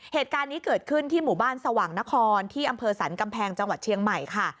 เหตุการณ์นี้เกิดขึ้นที่หมู่บ้านสว่างนครที่อำเภอสรรกำแพงจังหวัดเชียงใหม่ค่ะ